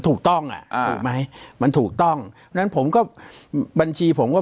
ถูกต้องอ่ะอ่าถูกไหมมันถูกต้องดังนั้นผมก็บัญชีผมก็